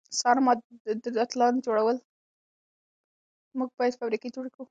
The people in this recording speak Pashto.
موږ باید فابریکې جوړې کړو.